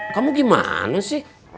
kamu gimana sih